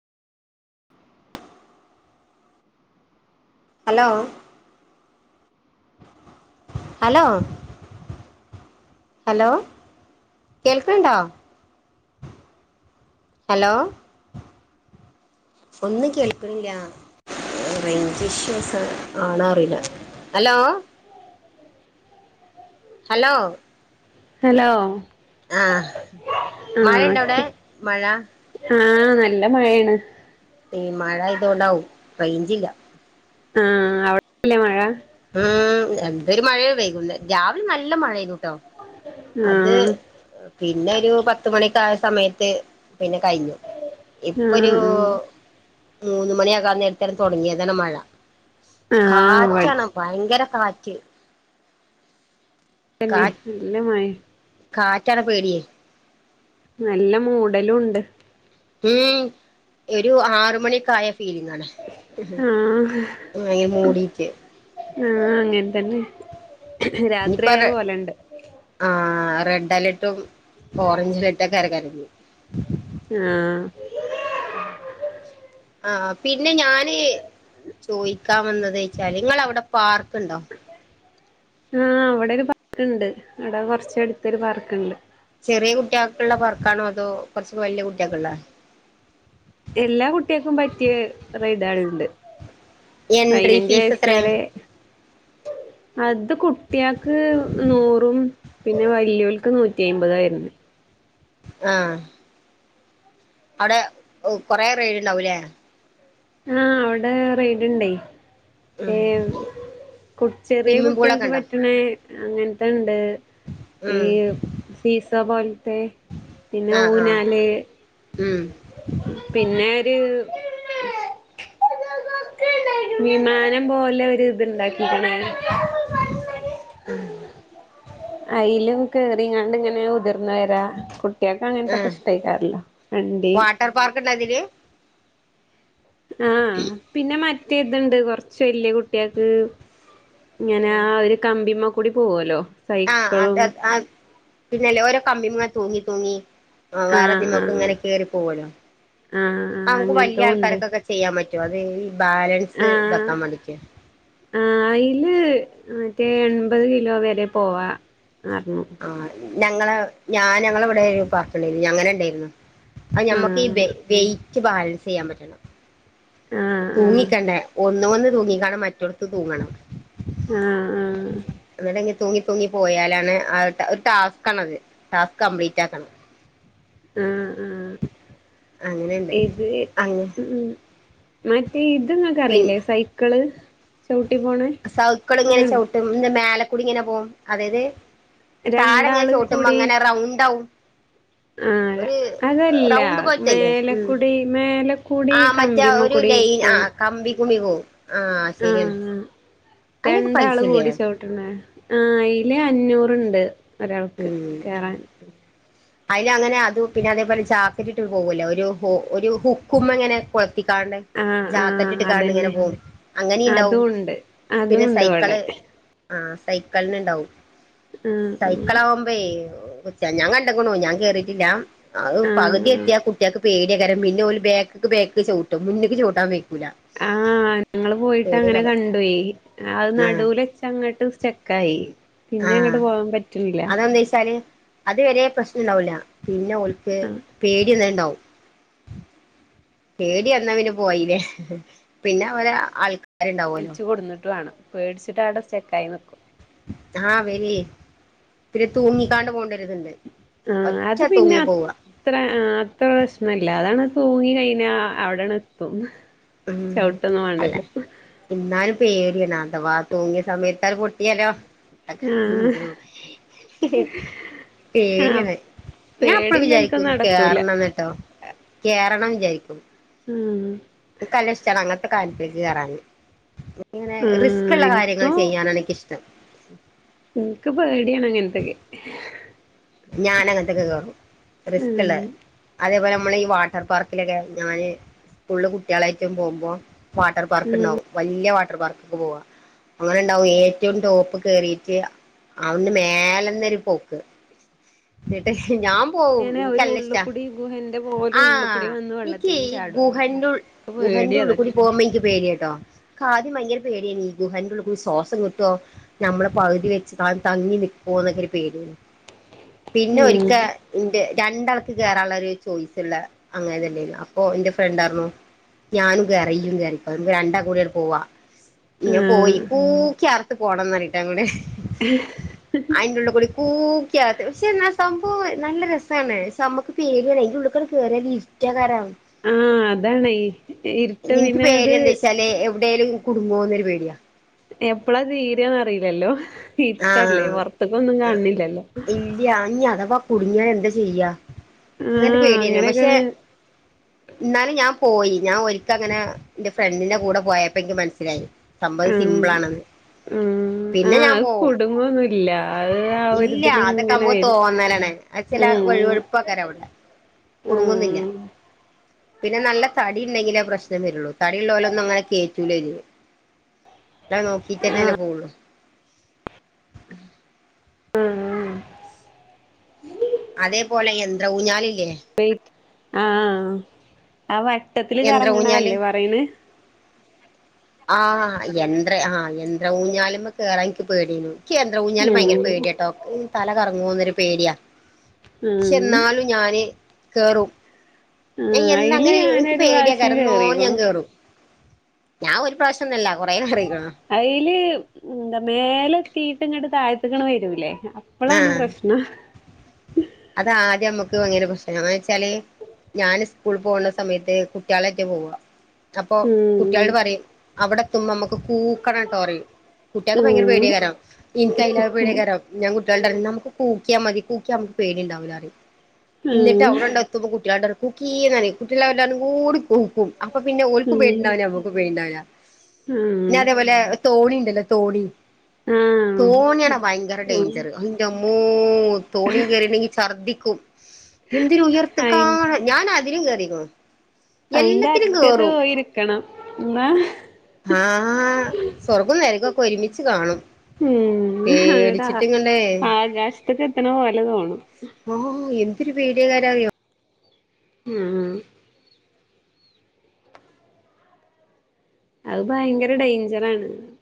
Hello hello, hello കേൾക്കണ് ണ്ടോ? Hello. ഒന്നും കേൾക്കണില്ല. റേഞ്ച് ഇഷ്യൂസ് ആണ് അറിയില്ല. Hello hello. ഹലോ. ആ, ആ മഴ ഇണ്ടോ അവിടെ മഴ. ആ, നല്ല മഴയാണ്. ഈ മഴ ആയതുകൊണ്ടാവും റേഞ്ചില്ല. ആ, അവിടെല്ലേ മഴ. ഉം. എന്തൊരു മഴയ പെയ്തത് രാവിലെ നല്ല മഴനൂട്ടോ. ആ ആ അത് പിന്നെ ഒരു പത്തു മണിക്കായ സമയത്ത് പിന്നെ കഴിഞ്ഞു. ഇപ്പോ ഒരു മൂന്ന് മണിയാകാൻ നേരത്ത് തുടങ്ങിയതാണ് മഴ. ആ ഇവിടെ കാറ്റാണ് ഭയങ്കര കാറ്റ്. തന്നെ കാറ്റ് നല്ല മഴ. കാറ്റാണ് പേടി. നല്ല മൂടലും ഉണ്ട്. ഉം. ഒരു ആറ് മണിക്കായ ഫീലിംഗ ആണ്. ആ, ഭയങ്കര മൂടിയിട്ട് ആ, അങ്ങനെ തന്നെ. രാത്രിയയ പോലണ്ട്. ആ, റെഡ് അലേർട്ടും, ഓറഞ്ച് അലേർട്ടൊക്കെ ഇറങ്ങല്ലേ. ആ. ആ, പിന്നെ ഞാൻ ചോദിക്കാ വന്നത് വച്ചാല് നിങ്ങളെ അവിടെ പാർക്ക്ണ്ടോ? ആ, അവിടെ ഒരു പാർക്ക്ണ്ട് അവിടെ കുറച്ച അടുത്തൊരു പാർക്ക്ണ്ട്. ചെറിയ കുട്ടികൾക്കു ള്ള പർക്കാണോ, അതോ കുറച്ച് വലിയ കുട്ടികൾളള്ള എല്ലാ കുട്ടികൾക്കും പറ്റിയ റെഡ് കളുമുണ്ട്. എൻട്രി പതിനഞ്ച് ഫീസ് വയസ്സ് എത്രയാ വരെ അത് കുട്ടിയക്ക് നൂറും പിന്നെ വലിയോൽക്ക് നൂറ്റി അമ്പതായിരുന്നു. ആ. അവിടെ കൊറെ റെഡ് ഉണ്ടാവൂലേ. ആ, അവിടെ റെയ്ഡുണ്ടേ ഉം കു ചെറിയ സ്വിമ്മിംഗ് പൂളൊക്കെ കുട്ടിയക്ക് ഉണ്ടോ പറ്റണേ അങ്ങനത്തെ ഇണ്ട്. ഈ ഉം സീസ പോലത്തെ പിന്നെ ആഹ് ഊ ആഹ് ഞാൽ ഉം. പിന്നെ ഒരു വിമാനം പോലെ ഒരു ഇത് ഇണ്ടാക്കിണ്. ഉം [inaudible] അതിലും കേറിങ്ങാണ്ടിങ്ങനെ ഉതിർന്ന വരാ കു കുട്ടിയക്കെ അങ്ങനത്തെൊക്കെ ഇഷ്ടകരല്ലോ വണ്ടി എർ പാർക്കുണ്ട അതില് ആഹ് പിന്നെ മറ്റേതുണ്ട് കൊറച്ച് വലിയ കുട്ടികൾക്ക് ഇങ്ങന ഒരു കമ്പിമ്മ കൂടി പോവലോ ആഹ് അത് പിന്നല്ലേ ഓരോ കമ്പിമ്മേ തൂങ്ങി തൂങ്ങി ആഹ് വേറെതിമൊക്ക ഇങ്ങനെ കേറി പോവല്ലോ ആഹ് ആഹ് നമുക്ക് വലിയ അങ്ങനത്തും ഉണ്ട് ആൾക്കാരക്കൊക്കെ ചെയ്യാൻ പറ്റോ അത് ഈ ബാലൻസ് ആഹ് ഇതാക്കാൻ വേണ്ടിട്ട് ആഹ് അയില് മറ്റേ എൺപത് കിലോ വരെ പോവാ [unintelligible] ആഹ് ഞങ്ങള് ഞാൻ ഞങ്ങള് ഇവിടെ പാർപ്പ് എണ്ടായിരുന്നു അങ്ങനെ എണ്ടായിരുന്നു അത് ഞമ്മക്ക് ഈ ആഹ് വെ വെയിറ്റ് ബാലൻസ് ചെയ്യാൻ പറ്റണം ആഹ് ആഹ് തൂങ്ങിക്കണ്ടേ ഒന്ന് വന്ന് തൂങ്ങിക്കാണ്ട് മറ്റെടത്ത് തൂങ്ങണം ഉആഹ് എന്നിട്ട് ഇങ്ങ് തൂങ്ങി തൂങ്ങി പോയാലാണ് ആ ഒരു ടാസ്ക് ആണത് ടാസ്ക് കംപ്ലീറ്റ് ആക്കണം ആഹ് ആഹ് അങ്ങനെണ്ട് ഇത് അങ്ങ് ഉം മറ്റേ ഇത് നിങ്ങക്ക് പിൻ അറിയില്ലേ സൈക്കിള് ചവിട്ടി പോണേ സൈക്കള് ഇങ്ങനെ അതാണ് ചവിട്ടും ഇതിന്റെ മേലക്കുടി ഇങ്ങനെ പോവും അതായത് താഴെ അങ്ങനെ രണ്ടാള് ചൗട്ടുമ്പോ കൂടി അങ്ങനെ റൗണ്ട് ആവും ആഹ് ഒരു അതല്ല റൗണ്ട് പോലത്തല്ലേ ഉം മേലക്കുടി മേലക്കൂടി ആഹ് മറ്റേ ഒരു കമ്പിമ്മക്കൂടി ലൈൻ ആ പോവും കമ്പി കൂടി പോകും ആഹ് ആഹ് അതിനൊക്കെ രണ്ട് ആള് പൈസല്ലേ കൂടി ചൗ ട്ടണെ ആഹ് അയില് അഞ്ഞൂറ് ഒണ്ട് ഒരാൾക്ക് കേറാൻ അതില അങ്ങനെ അത് പിന്നെ അതേപോലെ ചാക്കലറ്റ് ഇട്ട് പോകല്ലോ ഒരു ഒരു ഹുക്കുമ്മെ ഇങ്ങനെ കൊള്ത്തിക്കാണ്ട് ആഹ് ജാക്കറ്റ് ആഹ് ഇട്ട് കാണം ഇങ്ങനെ അതന്നെ പോകും അങ്ങനെ ഇണ്ടാവും അതുണ്ട് പിന്നെ അതുണ്ട് ഇവിടെ സൈക്കള് ആഹ് സൈക്കളിന് ഇണ്ടാവും ആഹ് മക്കളാവുമ്പൊഴേ കൊച്ച ഞാൻ കണ്ടെക്കണു ഞാൻ കേറിട്ടില്ല അത് ആഹ് പകുതി ആഹ് എത്തിയ കുട്ടിക്ക് പേടിയ കാരണം പിന്നെ ഓല് ബേക്കക്ക് ബേക്ക് ചവിട്ടും മുന്നേക്ക് ചവുട്ടാൻ വെക്കൂല ആഹ് ഞങ്ങള് പോയിട്ട് അങ്ങനെ കണ്ടുവേ അത് ആഹ് നടുവൽ വച്ചങ്ങോട്ട് സ്റ്റക്ക് ആയി പിന്നെ അങ്ങോട്ട് പോകാൻ പറ്റ് അത് എന്ന് വെച്ചാല് അത് വരെ പ്രശ്നം ഇണ്ടാവൂല്ല പിന്നെ ഓൽക്ക് ആഹ് പേടിയന്നണ്ടാവും പേടി വന്ന പിന്നെ പോയില്ലേ പിന്നെ അവരെ ആൾക് പിലിച്ച് കൊണ്ട് വന്നിട്ട് വേണം പേടിച്ചിട്ട് അവിടെ സ്റ്റക്കായി നിൽക്കും ആഹ് അവരി പിന്നെ തൂങ്ങിക്കാണ്ട് പോണ്ടരിതൊണ്ട് ആഹ് അത് പിന്ന അത്ര അത്ര പ്രശ്ന ഇല്ല അതാണ് തൂങ്ങി കഴിഞ്ഞ അവിടണ എത്തും ഉം ചവിട്ടൊന്നും അല്ല വേണ്ടല്ലോ എന്നാലും പേടിയാണ് അഥവാ തൂങ്ങിയ സമയത്ത് അത് പൊട്ടിയാലോ തക്ക് ആ അയ്യോ [inaudible] ആ പേടിയാണ് ഞാൻ അപ്പളും വിചാരിക്കും പേടില്ലോൽക്കൊന്നും നടക്കൂല കേറണം എന്നട്ടോ കേറണം എന്ന് വിചാരിക്കും ഉം എനിക്ക് നല്ല ഇഷ്ടാണ് അങ്ങനത്തെ കാര്യത്തിന് കേറാന് ഇങ്ങനെ ആ റിസ്ക് ഒള്ള കാര്യങ്ങൾ ഇൻക്കോ ചെയ്യാനാണ് എനിക്ക് ഇഷ് എനിക്ക് പേടിയാണ് അങ്ങനത്തെക്കെ ഞാൻ അങ്ങനത്തെ ഒക്കെ കേറും റിസ്ക് ഉള്ളത് ഉം അതേപോലെ അമ്മള് ഈ വാട്ടർ പാർക്കില് ഒക്കെ ഞാന് ഫുള്ള് കുട്ടികളായിട്ടും പോകുമ്പോ വാട്ടർ പാർക്ക് ഇണ്ണാവും വല്യ വാട്ടർ പാർക്കക്കു പോവാ അങ്ങനെ എണ്ടാവും ഏറ്റവും ടോപ്പ് കേറിട്ട് അന്റെ മേലന്ന് ഒരു പോക്ക് എന്നട്ട് ഞാം പോവും ഇങ്ങനെ ഒരു എനിക്കല്ലഷ്‌ട ഉള്ളുകൂടി ഗുഹന്റെ പോലെ ഉള്ളുകൂടി ആഹ് വന്ന് എനിക്ക് വെള്ളത്തിലും ഈ ചാടുവല്ലോ ഗുഹന്റെ ഉൾ ഇൻക്ക് ഗുഹന്റെ പേടിയാ ഉള്ളിൽ കൂടി അതൊക്കെ പോകുമ്പോ എനിക്ക് പേടിയ ട്ടോ ഇക്ക് ആദ്യം ഭയങ്കര പേടിന്ന് ഈ ഗുഹന്റെ ഉള്ളി കൂടി സോസം കിട്ടുവോ നമ്മള് പകുതി വെച്ച് താൻ തങ്ങി നിക്കോ എന്ന് ഒക്കെ ഒരു പേടി ആണ് പിന്നെ ഒരിക്ക ഉം ഇന്റെ രണ്ട് ആൾക്ക് കേയറാന് ഒള്ളൊരു ചോയ്സ് ഒള്ള അങ്ങനെ അല്ലേനു അപ്പൊ എന്റെ ഫ്രണ്ട് ആർന്നു ഞാനും കേറി ഇയ്യും കേറിക്കോ മ്മക്ക് രണ്ടാ കൂടെ യാട് പോവാ ഇങ്ങ പോയി ആ കൂക്കി ആ ട്ട് പോണംന്നറിട്ടങ്ങട് [inaudible] അയിന്റ ഉള്ളിക്കൂടി കൂക്കിയ ക്ഷെ അന്ന സംഭവം നല്ല രസാണ് പക്ഷെ നമ്മുക്ക് പേടിയാണ് അയിന്റെ ഉള്ളിക്കൂടെ കേയറിയ ഇരുട്ടെക്കാരം ആഹ് അതാണേ ഇനിക്ക് പേടി എന്താ വെച്ചാല് എവിടേലും കുടുംങ്ങോന്നൊരു പേടിയാ എപ്പളാ തീരെന്ന്റിയില്ലല്ലോ ഇര്ട്ടല്ലേ ആഹ് പുറത്തക്കൊന്നും കാണില്ലല്ലോ ല്യ ഞ്ഞി അഥവാ കുടുങ്ങിയാ എന്താ ചെയ്യാ അങ്ങനത്ത ആഹ് പേടിയ പക്ഷെ അങ്ങനെയൊക്കെയാണ് ഇന്നാലും ഞാൻ പോയി ഞാൻ ഒരിക്ക അങ്ങനെ എന്റെ ഫ്രണ്ടിന്റെ കൂടെ പോയപ്പോ എനിക്ക് മനസ്സിലായി സംഭവം ആഹ് സിമ്പിൾ ആണത് ഉം പിന്നെ ആഹ് ഞാൻ അത് പോം കുടുങ്ങൊന്നുല്ല അത് ആ ഇല്ല ഒരിതില് അതൊക്കെ ഇങ്ങനെ അമ്മക്ക് വരും തോന്നലാണ് അത് ചില ഉം വഴു വഴു പ്പക്കാര അവിടെ കുടുങ്ങുന്നില്ല ഉം പിന്നെ നല്ല തടി ഉണ്ടെങ്കില ആ പ്രശ്നം വരുള്ളൂ തടി ഉള്ളോലെ ഒന്നുംങ്ങനെ കേറ്റൂല അതിൽ ന്നാ നോക്കിട്ടന്നെല്ലേ പോവുള്ളു ആഹ് അതേപോലെ യന്ത്ര ഊഞ്ഞാലില്ലേ വൈറ്റ് ആഹ് ആഹ് ആഹ് ആ വട്ടത്തില് യന്ത്ര കറങ്ങണ ഊഞ്ഞാല് അല്ലേ പറയണ് ആഹ് യന്ത്ര ആഹ് യന്ത്ര ഊഞ്ഞാലുംമ്മെ കേറാൻ എൻക്ക് പേടിയേനു ക്കി യന്ത്ര ഊഞ്ഞാൽ ഭയങ്കര ഉം പേടിയ ട്ടൊ തല കറങ്ങോന്നൊരു പേടിയ ക്ഷെ ആഹ് എന്നാലും ഞാന് കേറും ഞാൻ ആഹ് അയില് എന്തങ്ങനെ ഇൻക്ക് ഞാനൊരു പ്രാവശ്യം പേടിയാക്കരം ഇന്നാലും ഞാൻ കേറിക്ക്ണു കേറും ഞാൻ ഒരു പ്രാവശ്യം ന്നൊല്ല കൊറേ കേറിക്ക്‌ണ് അയ്ല് എന്താ മേലെത്തിട്ട് ഇങ്ങട്ട് താഴ്ത്തിക്കണ് വരൂല്ലേ അപ്പോളാണ് പ്രശ്നം അതാദ്യം നമുക്ക് ഭയങ്കര പ്രശ്ന എന്ന്വെച്ചാല് ഞാന് സ്കൂൾ പോണ സമയത്ത് കുട്ടികളട്ടെ പോവ അപ്പൊ ഉം കുട്ടികളട് പറയും അവിടെ എത്തുമ്പ നമ്മുക്ക് കൂക്കണം ട്ടോറയും കുട്ട്യാക്ക് ഭയങ്കര ഉം പേടിയകാരം ഇൻക്ക് അതിലേറേ പേടകാരം ഞാൻ കുട്ടികളോട് പറയും നമുക്ക് കൂക്ക്യാമതി കൂക്ക്യമക്ക് പേടിണ്ടാവൂല്ലാറിം ഇന്നിട്ട് ഉം അവിടെണ്ട എത്തുമ്പ കുട്ടികളാണ്ട അറിം കുക്കീന്നറിം കുട്ടള എല്ലാവാരും കൂടി കൂക്കും അപ്പൊ പിന്നെ ഓൽക്കും ഉം പേടിണ്ടാവില്ല നമ്മക്കും പേടിണ്ടാവില്ല ഉം പിന്നെ അതേപോലെ തോണിണ്ടല്ലോ തോണി ആഹ് തോണിയാണ് ഭയങ്കര ഉം ഡേഞ്ചറ് ന്റമ്മോ തോണി കേരീട്ടെങ്കി ഛർദിക്കും എന്തൊരു അയി ഉയർത്ത്ക്കാണ് ഞാൻ അതിലും കേറിക്കുണു എല്ലത്തിലും കേറും ക്കണം എന്താ ആഹ് സ്വർഗും നെരക്കൊക്കെ ഒരുമിച്ച് കാണും ഉം അങ്ങട പേടിച്ചിട്ട് ഇങ്ങണ്ടേ ആകാശത്ത്ക്ക് എത്തണ പോലെ തോന്നും ഓഹ് എന്തൊരു പേടിയകാര അറിയോ ഉം അത് ഭയങ്കര ഡേഞ്ചറ ആണ്